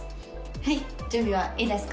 はい準備はいいですか？